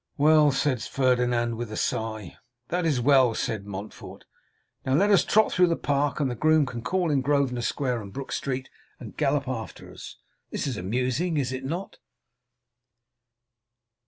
'Well,' said Ferdinand, with a sigh. 'That is well,' said Montfort; 'now let us trot through the Park, and the groom can call in Grosvenor square and Brook street, and gallop after us. This is amusing, is it not?